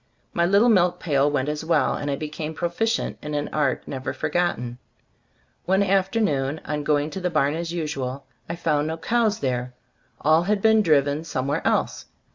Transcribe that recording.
My little milk pail went as well, and I became proficient in an art never for gotten. One afternoon, on going to the barn as usual, I found no cows there; all had been driven somewhere else.